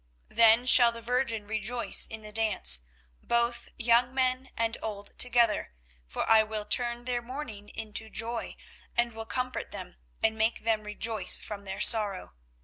24:031:013 Then shall the virgin rejoice in the dance, both young men and old together: for I will turn their mourning into joy, and will comfort them, and make them rejoice from their sorrow.